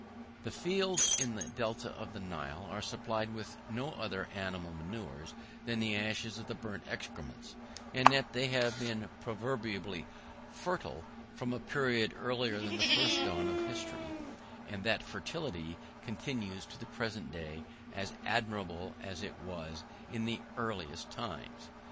The fields in the delta of the Nile are supplied with no other animal manures than the ashes of the burnt excrements, and yet they have been proverbially fertile from a period earlier than the first dawn of history, and that fertility continues to the present day as admirable as it was in the earliest times.